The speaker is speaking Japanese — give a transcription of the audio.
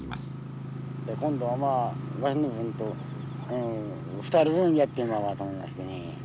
今度はまあわしの分と２人分やってもらおうと思いましてね。